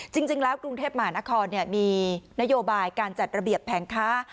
จริงแล้วกรุงเทพมหานครมีนโยบายการจัดระเบียบแผงค้า